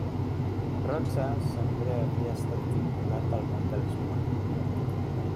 Rocha sempre havia estat vinculat al món de l'esport.